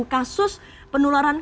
dua puluh tiga kasus penularan